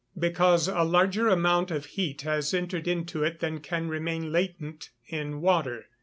_ Because a larger amount of heat has entered into it than can remain latent in water.